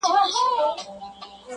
ددواړو توپیر نه کوو